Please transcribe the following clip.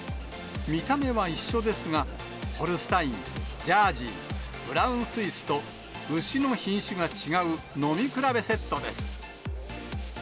見た目は一緒ですが、ホルスタイン、ジャージー、ブラウンスイスと、牛の品種が違う、飲み比べセットです。